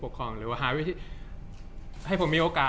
จากความไม่เข้าจันทร์ของผู้ใหญ่ของพ่อกับแม่